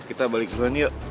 kita balik duluan yuk